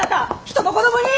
人の子供に！